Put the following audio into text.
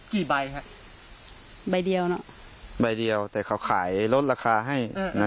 กี่ใบฮะใบเดียวน่ะใบเดียวแต่เขาขายลดราคาให้นะ